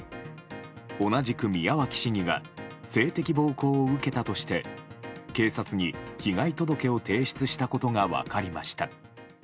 同じく宮脇市議が性的暴行を受けたとして警察に被害届を提出したことが分かりました。